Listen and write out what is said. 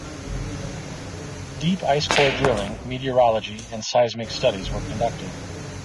Deep ice core drilling, meteorology and seismic studies were conducted.